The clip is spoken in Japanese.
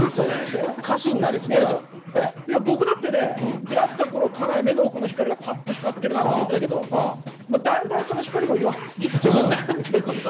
宮根さん、僕だってね、出会ったころ、家内、目の奥の光がぱっと光ってるなと思ったけど、だんだんその光も弱なんていうことを。